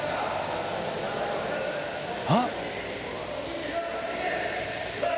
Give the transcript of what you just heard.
あっ！